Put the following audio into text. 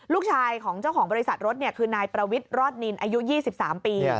ลูกชายของเจ้าของบริษัทรถคือนายประวิทย์รอดนินอายุ๒๓ปี